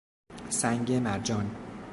سنگ مرجان